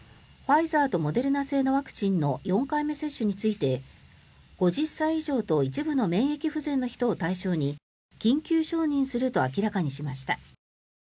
ファイザーとモデルナ製のワクチンの４回目接種について５０歳以上と一部の免疫不全の人を対象に緊急承認すると明らかにしました。